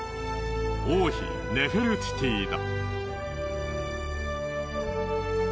王妃ネフェルティティだ。